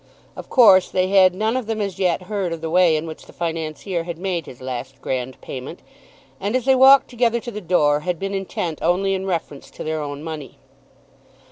Of course they had none of them as yet heard of the way in which the Financier had made his last grand payment, and as they walked together to the door had been intent only in reference to their own money.